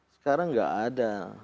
sekarang tidak ada